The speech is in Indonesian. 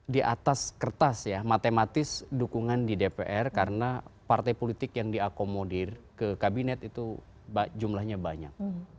di atas kertas ya matematis dukungan di dpr karena partai politik yang diakomodir ke kabinet itu jumlahnya banyak